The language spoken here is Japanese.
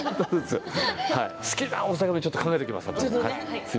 好きな大阪弁ちょっと考えておきます